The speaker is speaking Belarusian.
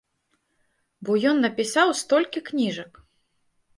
Бо ён напісаў столькі кніжак!